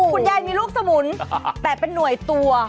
คุณยายมีลูกสมุนแต่เป็นหน่วยตัว